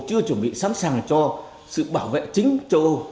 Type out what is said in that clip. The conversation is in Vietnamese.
chưa chuẩn bị sẵn sàng cho sự bảo vệ chính châu âu